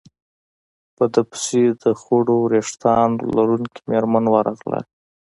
په ده پسې د خړو ورېښتانو لرونکې مېرمن ورغله.